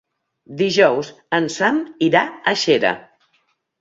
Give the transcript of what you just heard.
Dijous en Sam irà a Xera.